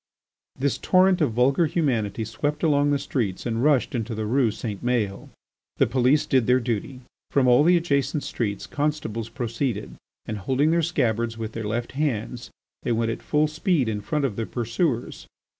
This torrent of vulgar humanity swept along the streets and rushed into the Rue St. Maël. The police did their duty. From all the adjacent streets constables proceeded and, holding their scabbards with their left hands, they went at full speed in front of the pursuers.